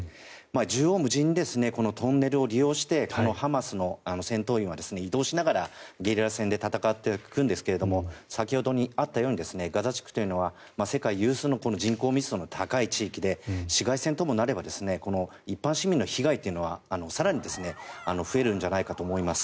縦横無尽にトンネルを利用してこのハマスの戦闘員は移動しながらゲリラ戦で戦っていくんですが先ほどあったようにガザ地区というのは世界有数の人口密度の高い地域で市街戦ともなれば一般市民の被害というのは更に増えるんじゃないかと思います。